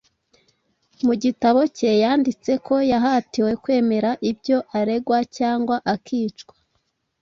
Mu gitabo cye yanditse ko yahatiwe kwemera ibyo aregwa cyangwa akicwa